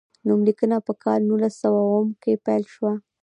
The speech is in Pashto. نوم لیکنه په کال نولس سوه اووم کې پیل شوه.